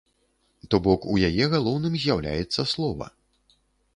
То бок, у яе галоўным з'яўляецца слова.